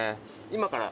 今から？